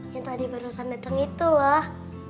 yang tadi barusan dateng itu lah